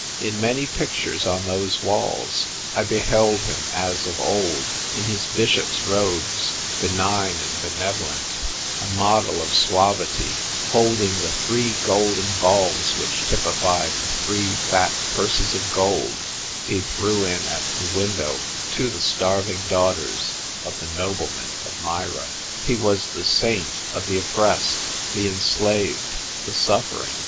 In many pictures on those walls I beheld him as of old, in his bishop's robes, benign and benevolent, a model of suavity, holding the three golden balls which typify the three fat purses of gold he threw in at the window to the starving daughters of the nobleman of Myra. He was the saint of the oppressed, the enslaved, the suffering.